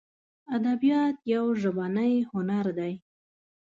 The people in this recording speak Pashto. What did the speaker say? ادبیات یو ژبنی هنر دی.